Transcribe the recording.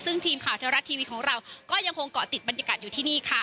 ซึ่งทีมข่าวเทวรัฐทีวีของเราก็ยังคงเกาะติดบรรยากาศอยู่ที่นี่ค่ะ